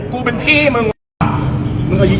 กูเป็นพี่มึงวะ